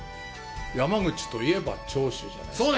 山口といえば長州じゃないですか。